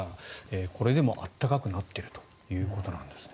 これでも暖かくなっているということですね。